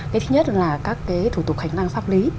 cái thứ nhất là các cái thủ tục hành năng pháp lý